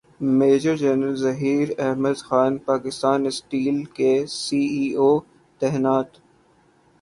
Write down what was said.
major general Zaheer Ahmed Khan Pakistan steel کے C E O تعینات